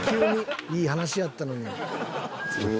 いい話やったのに。